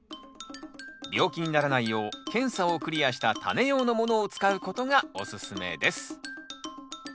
病気にならないよう検査をクリアしたタネ用のものを使うことがおすすめです。